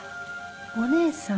お姉さん。